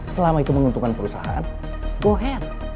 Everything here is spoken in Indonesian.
selama itu menguntungkan perusahaan go ahead